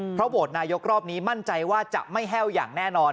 เพราะโหวตนายกรอบนี้มั่นใจว่าจะไม่แห้วอย่างแน่นอน